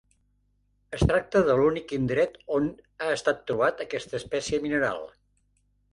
Es tracta de l'únic indret on ha estat trobat aquesta espècie mineral.